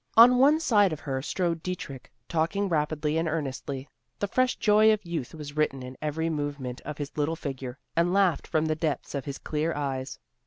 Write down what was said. On one side of her strode Dietrich, talking rapidly and earnestly: the fresh joy of youth was written in every movement of his little figure, and laughed from the depths of his clear eyes.